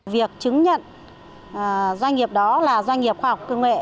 việc chứng nhận doanh nghiệp đó là doanh nghiệp khoa học công nghệ